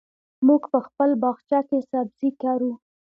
موږ په خپل باغچه کې سبزي کرو.